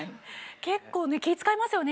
結構気ぃ遣いますよね？